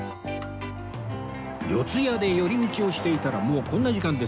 四谷で寄り道をしていたらもうこんな時間です